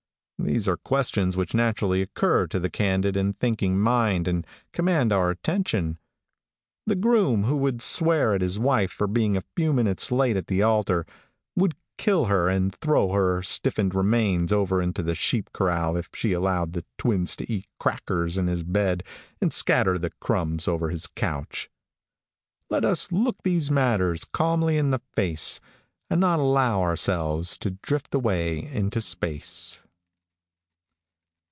These are questions which naturally occur to the candid and thinking mind and command our attention. The groom who would swear at his wife for being a few minutes late at the altar, would kill her and throw her stiffened remains over into the sheep corral if she allowed the twins to eat crackers in his bed and scatter the crumbs over his couch. Let us look these matters calmly in the face, and not allow ourselves to drift away into space.